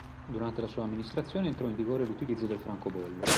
Durante la sua amministrazione entrò in vigore l'utilizzo del francobollo.